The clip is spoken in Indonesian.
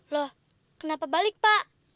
loh kenapa balik pak